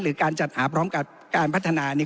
หรือการจัดหาพร้อมการพัฒนานี้